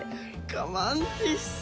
カマンティス！